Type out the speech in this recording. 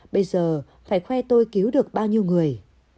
bây giờ phải khoe tôi cứu được bao nhiêu người